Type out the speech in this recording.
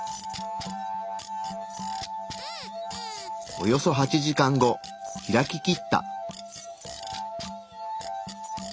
およそ８時間後開ききった。